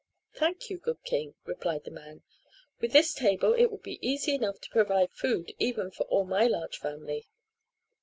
"Thank you, good king," replied the man. "With this table it will be easy enough to provide food even for all my large family."